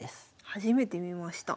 初めて見ました。